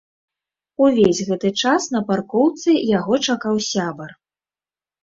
Увесь гэты час на паркоўцы яго чакаў сябар.